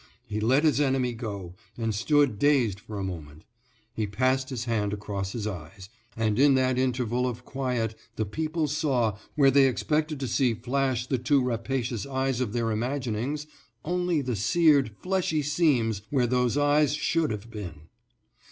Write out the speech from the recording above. He let his enemy go, and stood dazed for a moment; he passed his hand across his eyes, and in that interval of quiet the people saw, where they expected to see flash the two rapacious eyes of their imaginings, only the seared, fleshy seams where those eyes should have been.